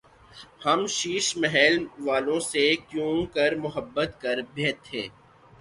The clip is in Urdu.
ہم شیش محل والوں سے کیونکر محبت کر بیتھے